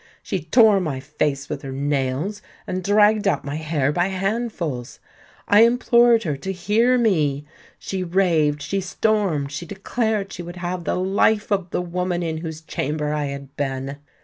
She tore my face with her nails, and dragged out my hair by handfuls. I implored her to hear me; she raved—she stormed—she declared she would have the life of the woman in whose chamber I had been.